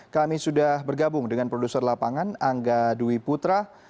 kami sudah bergabung dengan produser lapangan angga dwi putra